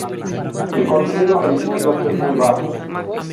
El contenido en lípidos es muy bajo.